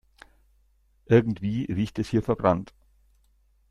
Irgendwie riecht es hier verbrannt.